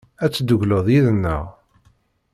Ad teddukleḍ yid-neɣ?